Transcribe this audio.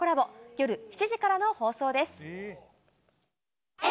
夜７時からの放送です。